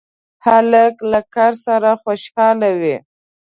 هلک له کار سره خوشحاله وي.